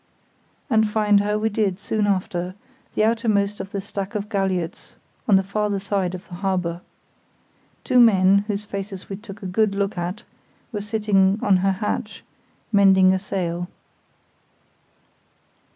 And find her we did soon after, the outermost of the stack of galliots, on the farther side of the harbour. Two men, whose faces we took a good look at, were sitting on her hatch, mending a sail.